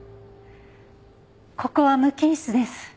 ここは無菌室です。